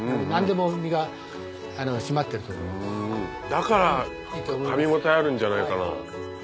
だからかみ応えあるんじゃないかな。